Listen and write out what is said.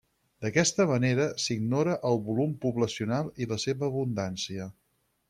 D'aquesta manera, s'ignora el volum poblacional i la seva abundància.